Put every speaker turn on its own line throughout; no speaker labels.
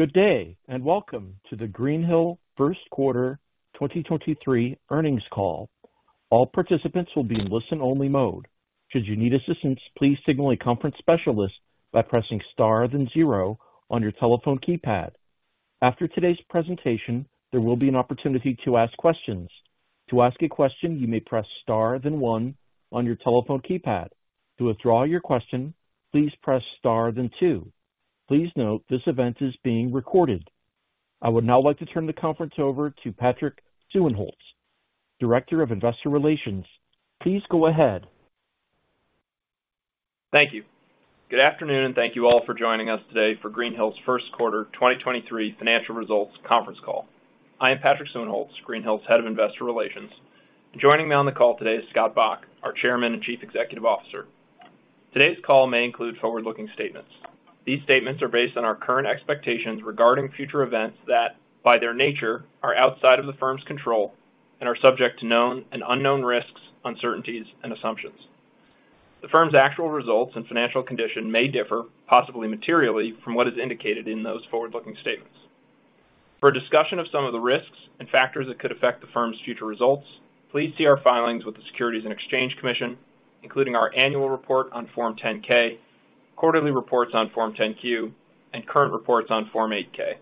Good day, and welcome to the Greenhill first quarter 2023 earnings call. All participants will be in listen-only mode. Should you need assistance, please signal a conference specialist by pressing star then zero on your telephone keypad. After today's presentation, there will be an opportunity to ask questions. To ask a question, you may press star then one on your telephone keypad. To withdraw your question, please press star then two. Please note this event is being recorded. I would now like to turn the conference over to Patrick Suehnholz, Director of Investor Relations. Please go ahead.
Thank you. Good afternoon, thank you all for joining us today for Greenhill's first quarter 2023 financial results conference call. I am Patrick Suehnholz, Greenhill's Head of Investor Relations. Joining me on the call today is Scott Bok, our Chairman and Chief Executive Officer. Today's call may include forward-looking statements. These statements are based on our current expectations regarding future events that, by their nature, are outside of the firm's control and are subject to known and unknown risks, uncertainties, and assumptions. The firm's actual results and financial condition may differ, possibly materially, from what is indicated in those forward-looking statements. For a discussion of some of the risks and factors that could affect the firm's future results, please see our filings with the Securities and Exchange Commission, including our annual report on Form 10-K, quarterly reports on Form 10-Q, and current reports on Form 8-K.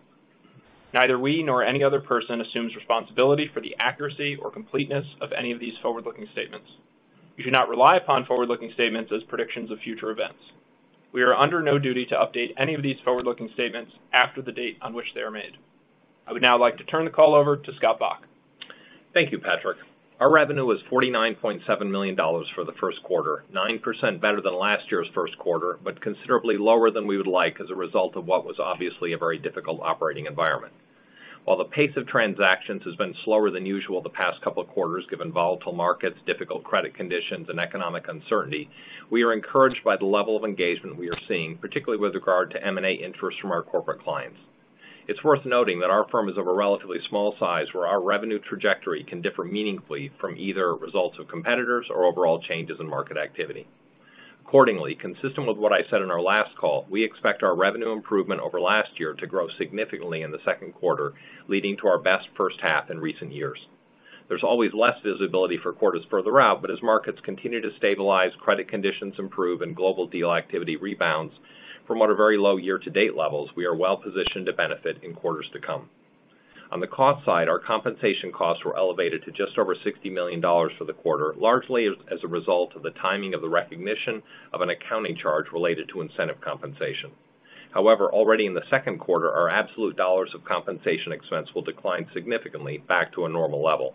Neither we nor any other person assumes responsibility for the accuracy or completeness of any of these forward-looking statements. You should not rely upon forward-looking statements as predictions of future events. We are under no duty to update any of these forward-looking statements after the date on which they are made. I would now like to turn the call over to Scott Bok.
Thank you, Patrick. Our revenue was $49.7 million for the first quarter, 9% better than last year's first quarter, but considerably lower than we would like as a result of what was obviously a very difficult operating environment. While the pace of transactions has been slower than usual the past couple of quarters, given volatile markets, difficult credit conditions, and economic uncertainty, we are encouraged by the level of engagement we are seeing, particularly with regard to M&A interest from our corporate clients. It's worth noting that our firm is of a relatively small size, where our revenue trajectory can differ meaningfully from either results of competitors or overall changes in market activity. Accordingly, consistent with what I said on our last call, we expect our revenue improvement over last year to grow significantly in the second quarter, leading to our best first half in recent years. As markets continue to stabilize, credit conditions improve, and global deal activity rebounds from what are very low year-to-date levels, we are well-positioned to benefit in quarters to come. On the cost side, our compensation costs were elevated to just over $60 million for the quarter, largely as a result of the timing of the recognition of an accounting charge related to incentive compensation. However, already in the second quarter, our absolute dollars of compensation expense will decline significantly back to a normal level.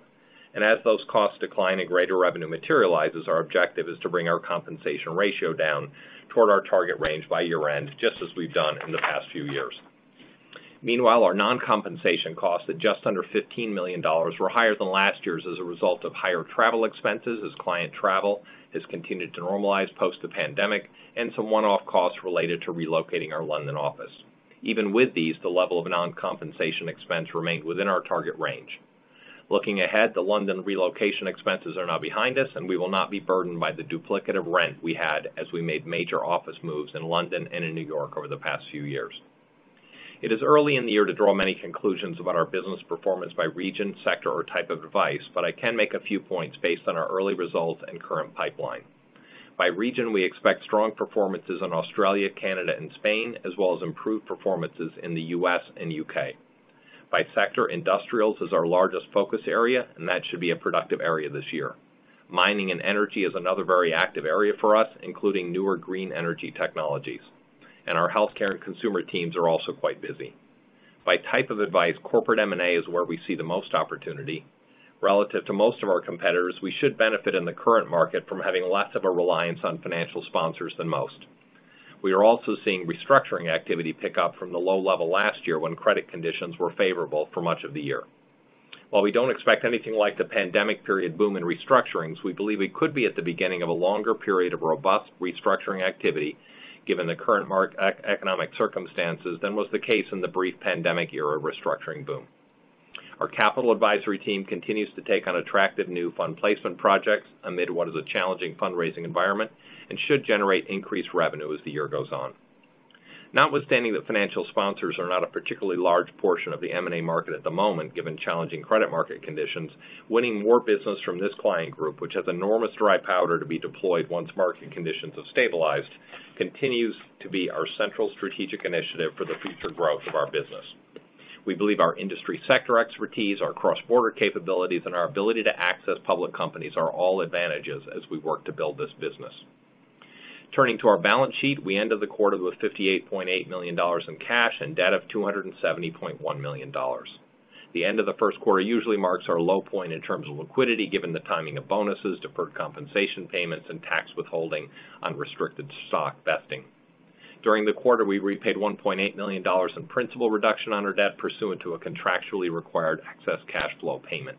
As those costs decline and greater revenue materializes, our objective is to bring our compensation ratio down toward our target range by year-end, just as we've done in the past few years. Meanwhile, our non-compensation costs at just under $15 million were higher than last year's as a result of higher travel expenses as client travel has continued to normalize post the pandemic and some one-off costs related to relocating our London office. Even with these, the level of non-compensation expense remained within our target range. Looking ahead, the London relocation expenses are now behind us, and we will not be burdened by the duplicative rent we had as we made major office moves in London and in New York over the past few years. It is early in the year to draw many conclusions about our business performance by region, sector, or type of advice, but I can make a few points based on our early results and current pipeline. By region, we expect strong performances in Australia, Canada, and Spain, as well as improved performances in the U.S. and U.K. By sector, industrials is our largest focus area, and that should be a productive area this year. Mining and energy is another very active area for us, including newer green energy technologies. Our healthcare and consumer teams are also quite busy. By type of advice, corporate M&A is where we see the most opportunity. Relative to most of our competitors, we should benefit in the current market from having less of a reliance on financial sponsors than most. We are also seeing restructuring activity pick up from the low level last year when credit conditions were favorable for much of the year. While we don't expect anything like the pandemic period boom in restructurings, we believe we could be at the beginning of a longer period of robust restructuring activity, given the current economic circumstances than was the case in the brief pandemic era restructuring boom. Our capital advisory team continues to take on attractive new fund placement projects amid what is a challenging fundraising environment and should generate increased revenue as the year goes on. Notwithstanding that financial sponsors are not a particularly large portion of the M&A market at the moment, given challenging credit market conditions, winning more business from this client group, which has enormous dry powder to be deployed once market conditions have stabilized, continues to be our central strategic initiative for the future growth of our business. We believe our industry sector expertise, our cross-border capabilities, and our ability to access public companies are all advantages as we work to build this business. Turning to our balance sheet, we ended the quarter with $58.8 million in cash and debt of $270.1 million. The end of the first quarter usually marks our low point in terms of liquidity, given the timing of bonuses, deferred compensation payments, and tax withholding on restricted stock vesting. During the quarter, we repaid $1.8 million in principal reduction on our debt pursuant to a contractually required excess cash flow payment.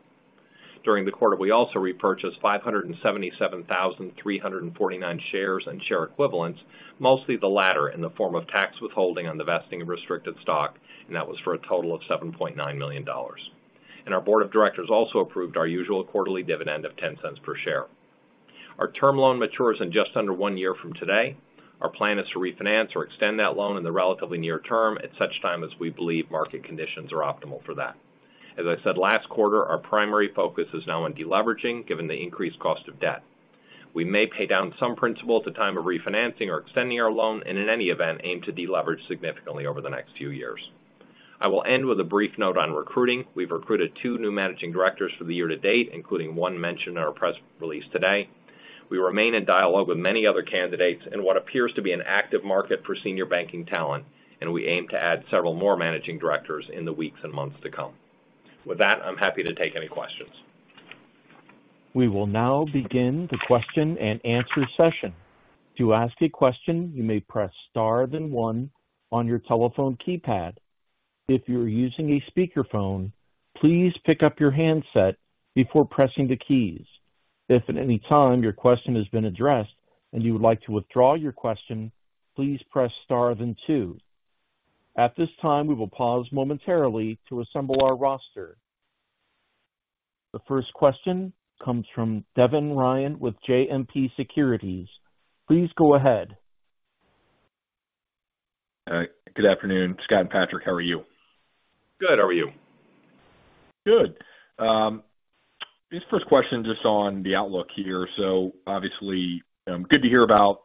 During the quarter, we also repurchased 577,349 shares and share equivalents, mostly the latter in the form of tax withholding on the vesting of restricted stock, that was for a total of $7.9 million. Our board of directors also approved our usual quarterly dividend of $0.10 per share. Our term loan matures in just under one year from today. Our plan is to refinance or extend that loan in the relatively near term at such time as we believe market conditions are optimal for that. As I said last quarter, our primary focus is now on deleveraging, given the increased cost of debt. We may pay down some principal at the time of refinancing or extending our loan and in any event, aim to deleverage significantly over the next few years. I will end with a brief note on recruiting. We've recruited two new managing directors for the year to date, including one mentioned in our press release today. We remain in dialogue with many other candidates in what appears to be an active market for senior banking talent, and we aim to add several more managing directors in the weeks and months to come. With that, I'm happy to take any questions.
We will now begin the question and answer session. To ask a question, you may press star then one on your telephone keypad. If you're using a speakerphone, please pick up your handset before pressing the keys. If at any time your question has been addressed and you would like to withdraw your question, please press star then two. At this time, we will pause momentarily to assemble our roster. The first question comes from Devin Ryan with Citizens JMP Securities. Please go ahead.
All right. Good afternoon, Scott and Patrick, how are you?
Good. How are you?
Good. This first question just on the outlook here. Obviously, good to hear about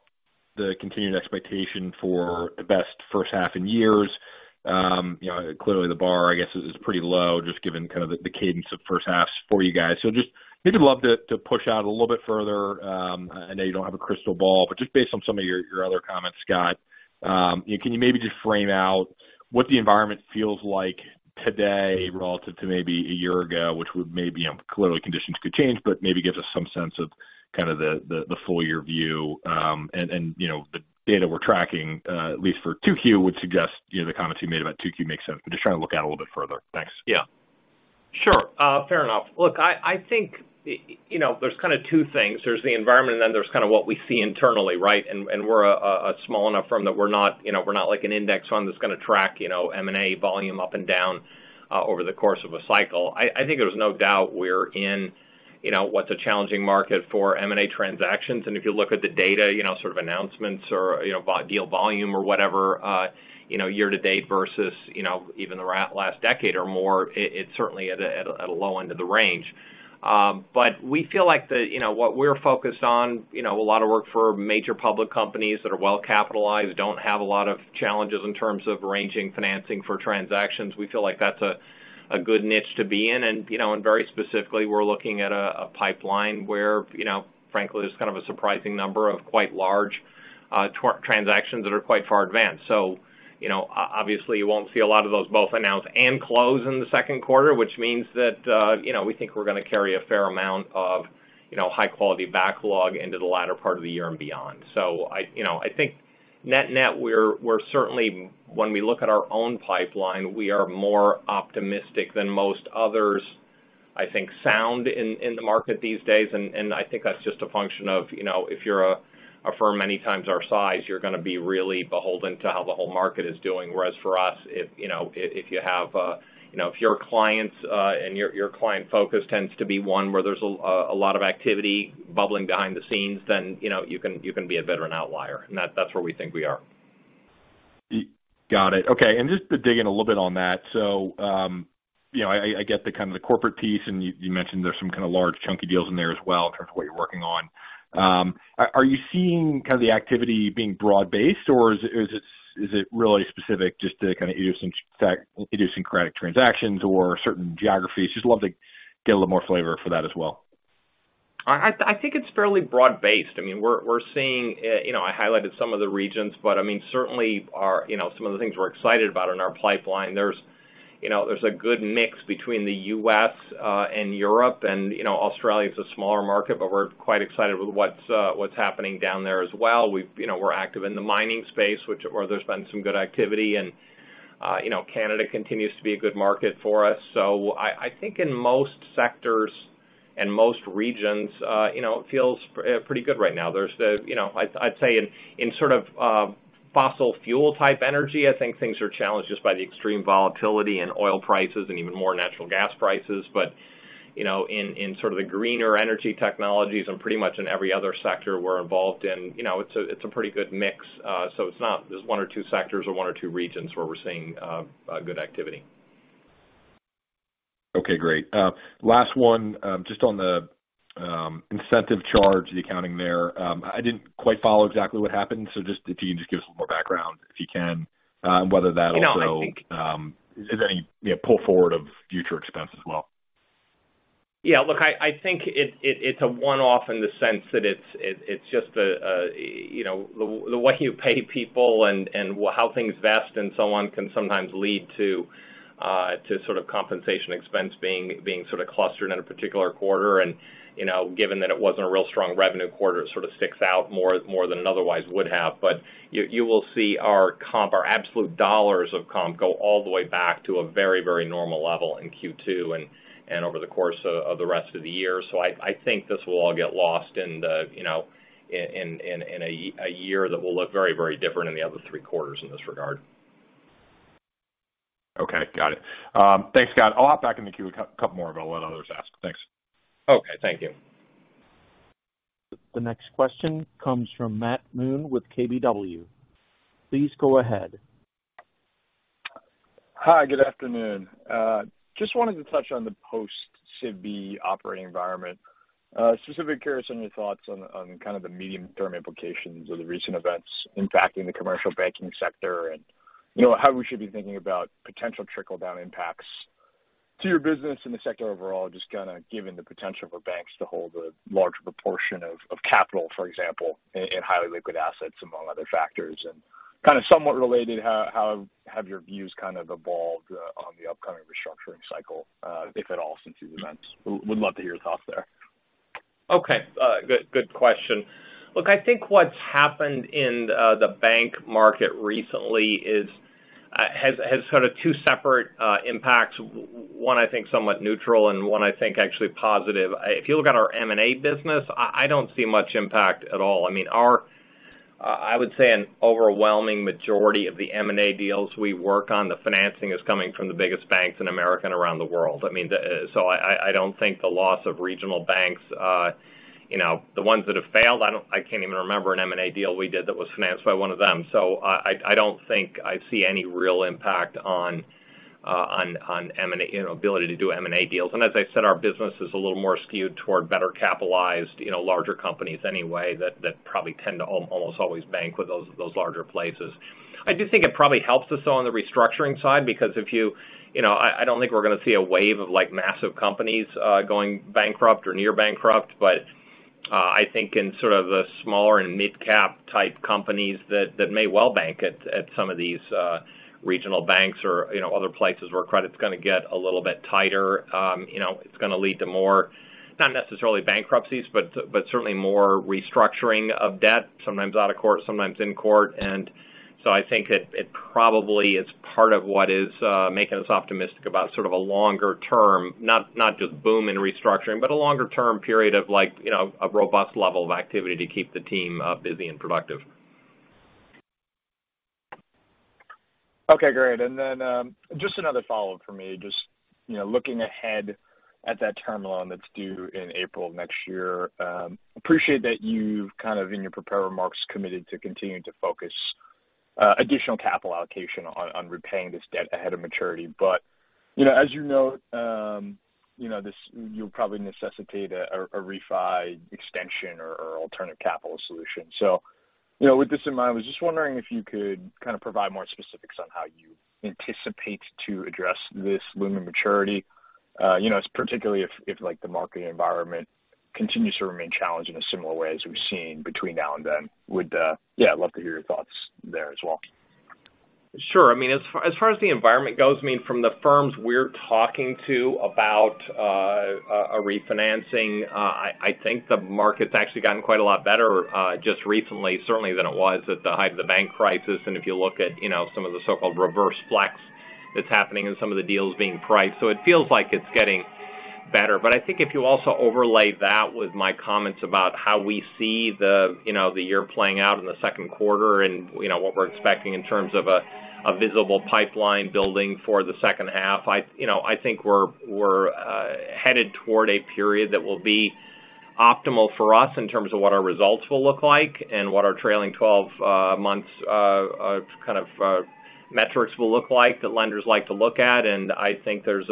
the continued expectation for the best first half in years. You know, clearly the bar, I guess, is pretty low, just given kind of the cadence of first halves for you guys. Just maybe love to push out a little bit further, I know you don't have a crystal ball, but just based on some of your other comments, Scott, can you maybe just frame out what the environment feels like today relative to maybe a year ago, which would maybe, clearly conditions could change, but maybe gives us some sense of kind of the, the full year view, and, you know, the data we're tracking, at least for 2Q would suggest the comments you made about 2Q makes sense? I'm just trying to look out a little bit further. Thanks.
Yeah, sure. Fair enough. Look, I think, you know, there's kind of two things. There's the environment and then there's kind of what we see internally, right? We're a small enough firm that we're not, you know, we're not like an index fund that's going to track, you know, M&A volume up and down over the course of a cycle. I think there's no doubt we're in, you know, what's a challenging market for M&A transactions. If you look at the data, you know, sort of announcements or, you know, deal volume or whatever, you know, year to date versus, you know, even the last decade or more, it's certainly at a low end of the range. We feel like the, you know, what we're focused on, you know, a lot of work for major public companies that are well capitalized, don't have a lot of challenges in terms of arranging financing for transactions. We feel like that's a good niche to be in. You know, and very specifically, we're looking at a pipeline where, you know, frankly, there's kind of a surprising number of quite large transactions that are quite far advanced. You know, obviously, you won't see a lot of those both announced and closed in the second quarter, which means that, you know, we think we're gonna carry a fair amount of, you know, high-quality backlog into the latter part of the year and beyond. I, you know, I think net-net, we're certainly when we look at our own pipeline, we are more optimistic than most others, I think, sound in the market these days. I think that's just a function of, you know, if you're a firm many times our size, you're gonna be really beholden to how the whole market is doing. Whereas for us, if, you know, if you have, you know, if your clients, and your client focus tends to be one where there's a lot of activity bubbling behind the scenes, then you know you can be a veteran outlier, and that's where we think we are.
Got it. Okay. Just to dig in a little bit on that. You know, I get the kind of the corporate piece, and you mentioned there's some kinda large chunky deals in there as well in terms of what you're working on. Are you seeing kind of the activity being broad-based, or is it really specific just to kinda idiosyncratic transactions or certain geographies? Just love to get a little more flavor for that as well.
I think it's fairly broad-based. I mean, we're seeing, you know, I highlighted some of the regions, but I mean, certainly our, you know, some of the things we're excited about in our pipeline, there's, you know, there's a good mix between the U.S. and Europe and, you know, Australia is a smaller market, but we're quite excited with what's what's happening down there as well. We've, you know, we're active in the mining space, which, where there's been some good activity and, you know, Canada continues to be a good market for us. I think in most sectors and most regions, you know, it feels pretty good right now. There's the, you know, I'd say in sort of, fossil fuel type energy, I think things are challenged just by the extreme volatility in oil prices and even more natural gas prices. You know, in sort of the greener energy technologies and pretty much in every other sector we're involved in, you know, it's a, it's a pretty good mix. It's not there's one or two sectors or one or two regions where we're seeing, good activity.
Okay, great. last one, just on the incentive charge, the accounting there. I didn't quite follow exactly what happened. Just if you can just give us some more background, if you can, whether that also, is any, you know, pull forward of future expense as well.
Yeah. Look, I think it's a one-off in the sense that it's just a, you know, the way you pay people and how things vest and so on can sometimes lead to sort of compensation expense being sort of clustered in a particular quarter. You know, given that it wasn't a real strong revenue quarter, it sort of sticks out more than it otherwise would have. You will see our absolute dollars of comp go all the way back to a very, very normal level in Q2 and over the course of the rest of the year. I think this will all get lost in the, you know, in a year that will look very, very different in the other three quarters in this regard.
Got it. Thanks, Scott. I'll hop back in the queue, a couple more of I'll let others ask. Thanks.
Okay, thank you.
The next question comes from Matt Moon with KBW. Please go ahead.
Hi, good afternoon. Just wanted to touch on the post-SIVB operating environment. Specifically curious on your thoughts on kind of the medium-term implications of the recent events impacting the commercial banking sector and, you know, how we should be thinking about potential trickle-down impacts to your business in the sector overall, just kinda given the potential for banks to hold a larger proportion of capital, for example, in highly liquid assets, among other factors. Kind of somewhat related, how have your views kind of evolved on the upcoming restructuring cycle, if at all, since these events? Would love to hear your thoughts there.
Okay. Good question. Look, I think what's happened in the bank market recently is has sort of two separate impacts. One, I think, somewhat neutral, and one I think actually positive. If you look at our M&A business, I don't see much impact at all. I mean, I would say an overwhelming majority of the M&A deals we work on, the financing is coming from the biggest banks in America and around the world. I mean, I don't think the loss of regional banks, you know, the ones that have failed, I can't even remember an M&A deal we did that was financed by one of them. I don't think I see any real impact on M&A, you know, ability to do M&A deals. As I said, our business is a little more skewed toward better capitalized, you know, larger companies anyway that probably tend to almost always bank with those larger places. I do think it probably helps us on the restructuring side because You know, I don't think we're gonna see a wave of like massive companies going bankrupt or near bankrupt, but I think in sort of the smaller and mid-cap type companies that may well bank at some of these regional banks or, you know, other places where credit's gonna get a little bit tighter, you know, it's gonna lead to more, not necessarily bankruptcies, but certainly more restructuring of debt, sometimes out of court, sometimes in court. I think it probably is part of what is making us optimistic about sort of a longer term, not just boom in restructuring, but a longer term period of like, you know, a robust level of activity to keep the team busy and productive.
Okay, great. Just another follow-up for me. Just, you know, looking ahead at that term loan that's due in April next year. Appreciate that you've kind of in your prepared remarks committed to continuing to focus additional capital allocation on repaying this debt ahead of maturity. You know, as you know, you'll probably necessitate a refi extension or alternate capital solution. You know, with this in mind, I was just wondering if you could kind of provide more specifics on how you anticipate to address this looming maturity. You know, it's particularly if like the market environment continues to remain challenged in a similar way as we've seen between now and then. Would. Yeah, love to hear your thoughts there as well.
Sure. I mean, as far as the environment goes, I mean, from the firms we're talking to about a refinancing, I think the market's actually gotten quite a lot better just recently, certainly than it was at the height of the bank crisis. If you look at, you know, some of the so-called reverse flex that's happening in some of the deals being priced, it feels like it's getting better. I think if you also overlay that with my comments about how we see the, you know, the year playing out in the second quarter and, you know, what we're expecting in terms of a visible pipeline building for the second half, I think we're headed toward a period that will be optimal for us in terms of what our results will look like and what our trailing twelve months kind of metrics will look like that lenders like to look at. I think there's,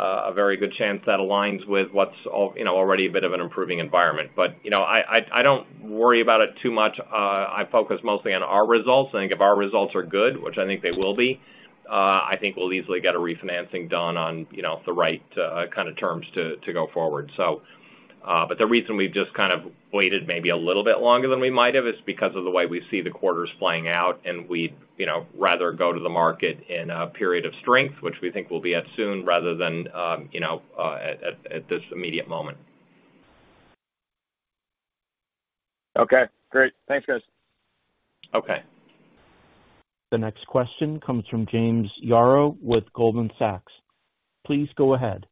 a very good chance that aligns with what's already a bit of an improving environment. You know, I don't worry about it too much. I focus mostly on our results, and if our results are good, which I think they will be, I think we'll easily get a refinancing done on, you know, the right kind of terms to go forward. But the reason we've just kind of waited maybe a little bit longer than we might have is because of the way we see the quarters playing out, and we'd, you know, rather go to the market in a period of strength, which we think we'll be at soon, rather than, you know, at this immediate moment.
Okay, great. Thanks, guys.
Okay.
The next question comes from James Yaro with Goldman Sachs. Please go ahead.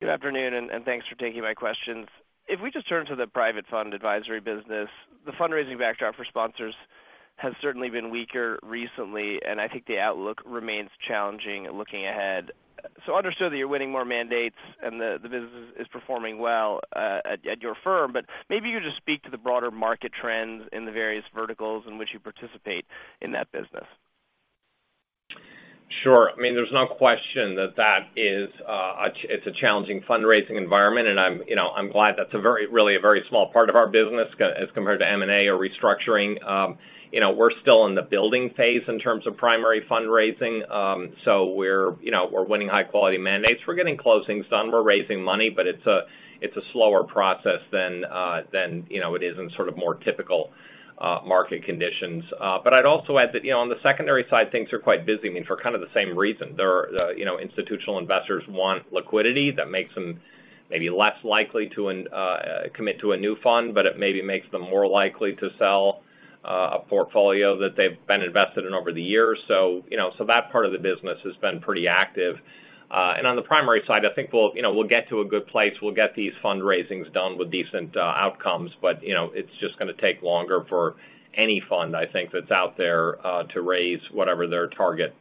Good afternoon, and thanks for taking my questions. If we just turn to the private fund advisory business, the fundraising backdrop for sponsors has certainly been weaker recently, and I think the outlook remains challenging looking ahead. I understand that you're winning more mandates and the business is performing well at your firm, but maybe you could just speak to the broader market trends in the various verticals in which you participate in that business.
Sure. I mean, there's no question that that is, it's a challenging fundraising environment, and I'm, you know, I'm glad that's a very, really a very small part of our business as compared to M&A or restructuring. You know, we're still in the building phase in terms of primary fundraising. We're, you know, we're winning high quality mandates. We're getting closings done, we're raising money, but it's a, it's a slower process than, you know, it is in sort of more typical market conditions. I'd also add that, you know, on the secondary side, things are quite busy, I mean, for kind of the same reason. There are, you know, institutional investors want liquidity that makes them maybe less likely to commit to a new fund, but it maybe makes them more likely to sell a portfolio that they've been invested in over the years. You know, so that part of the business has been pretty active. On the primary side, I think we'll, you know, we'll get to a good place. We'll get these fundraisings done with decent outcomes, but, you know, it's just gonna take longer for any fund, I think, that's out there to raise whatever their target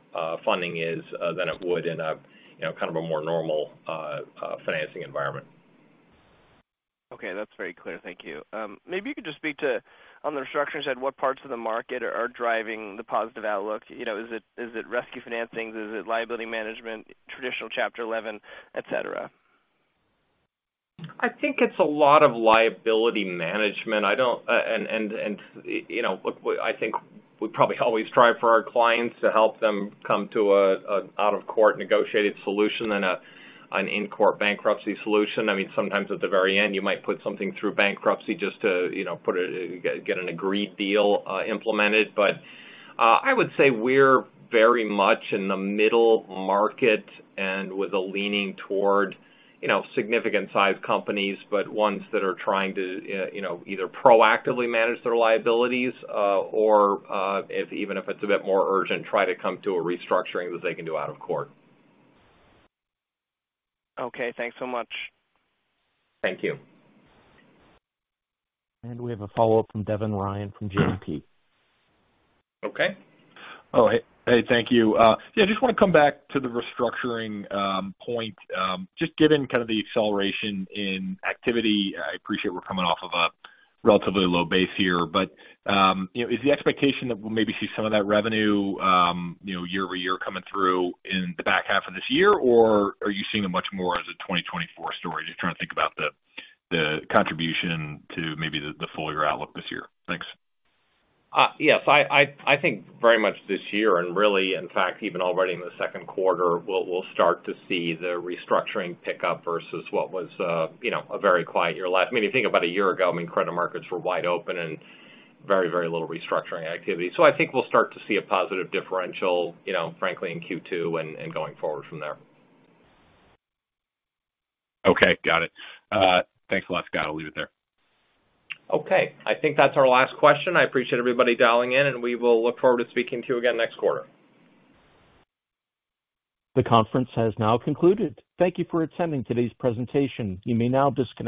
funding is than it would in a, you know, kind of a more normal financing environment.
Okay, that's very clear. Thank you. Maybe you could just speak to, on the restructuring side, what parts of the market are driving the positive outlook? You know, is it rescue financings? Is it liability management, traditional Chapter 11, et cetera?
I think it's a lot of liability management. You know, I think we probably always try for our clients to help them come to a out-of-court negotiated solution than an in-court bankruptcy solution. I mean, sometimes at the very end, you might put something through bankruptcy just to, you know, put it, get an agreed deal implemented. I would say we're very much in the middle market and with a leaning toward, you know, significant sized companies, but ones that are trying to, you know, either proactively manage their liabilities, or if even if it's a bit more urgent, try to come to a restructuring that they can do out of court.
Okay. Thanks so much.
Thank you.
We have a follow-up from Devin Ryan from JMP.
Okay.
Hey. Hey, thank you. Yeah, I just wanna come back to the restructuring point. Just given kind of the acceleration in activity, I appreciate we're coming off of a relatively low base here. You know, is the expectation that we'll maybe see some of that revenue, you know, year-over-year coming through in the back half of this year? Or are you seeing it much more as a 2024 story? Just trying to think about the contribution to maybe the full year outlook this year? Thanks.
Yes. I think very much this year, and really, in fact, even already in the second quarter, we'll start to see the restructuring pick up versus what was, you know, a very quiet year last. I mean, if you think about a year ago, I mean, credit markets were wide open and very little restructuring activity. I think we'll start to see a positive differential, you know, frankly, in Q2 and going forward from there.
Okay, got it. Thanks a lot, Scott. I'll leave it there.
I think that's our last question. I appreciate everybody dialing in, and we will look forward to speaking to you again next quarter.
The conference has now concluded. Thank you for attending today's presentation. You may now disconnect.